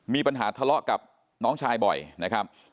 มีปัญหาทะเลาะกับน้องชายบ่อยนะครับ